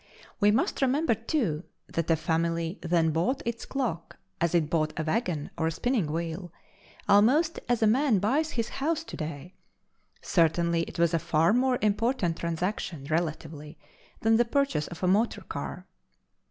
We must remember, too, that a family then bought its clock as it bought a wagon or a spinning wheel, almost as a man buys his house to day. Certainly it was a far more important transaction relatively than the purchase of a motor car.